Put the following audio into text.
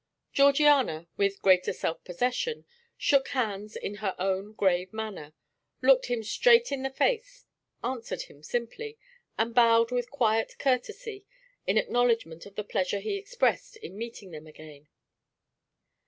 Georgiana, with greater self possession, shook hands in her own grave manner, looked him straight in the face, answered him simply, and bowed with quiet courtesy in acknowledgment of the pleasure he expressed in meeting them again.